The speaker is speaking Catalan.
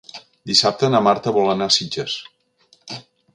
Dissabte na Marta vol anar a Sitges.